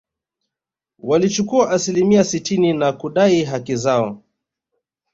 Walichukua asilimia sitini na kudai haki zao